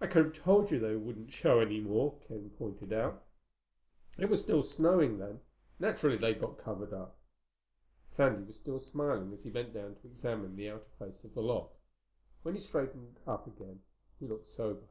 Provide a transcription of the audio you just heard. "I could have told you they wouldn't show any more," Ken pointed out. "It was still snowing then. Naturally they got covered up." Sandy was still smiling as he bent down to examine the outer face of the lock. When he straightened again he looked sober.